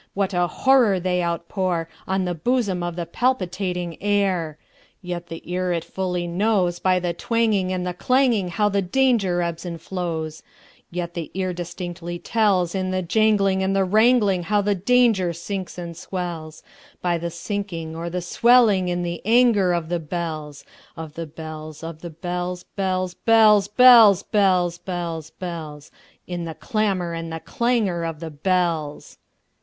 What a horror they outpourOn the bosom of the palpitating air! Yet the ear it fully knows, By the twangingAnd the clanging, How the danger ebbs and flows; Yet the ear distinctly tells, In the janglingAnd the wrangling, How the danger sinks and swells,—By the sinking or the swelling in the anger of the bells, Of the bells, Of the bells, bells, bells, bells, Bells, bells, bells—In the clamor and the clangor of the bells!